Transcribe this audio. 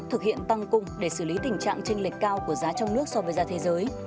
thực hiện tăng cung để xử lý tình trạng tranh lệch cao của giá trong nước so với giá thế giới